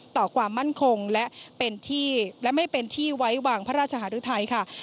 ต่อความมั่นคงและไม่เป็นที่ไว้วางพระราชาธุไทย